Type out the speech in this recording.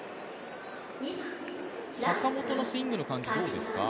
坂本のスイングの感じはどうですか？